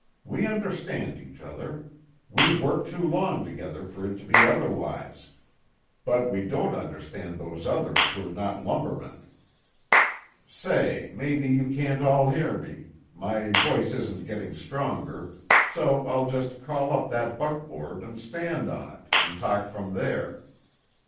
We understand each other. We've worked too long together for it to be otherwise. But we don't understand those others who're not lumbermen. Say, maybe you can't all hear me; my voice isn't getting stronger, so I'll just call up that buckboard and stand on it, and talk from there."